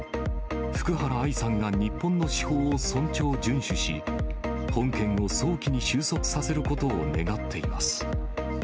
福原愛さんが日本の司法を尊重順守し、本件を早期に収束させることを願っています。